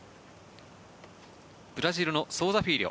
ブラジルのソウザ・フィーリョ。